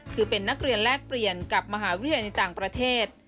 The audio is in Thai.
คือเป็นนักเรียนแลกเปลี่ยนกับมหาวิทยาลัยในต่างประเทศ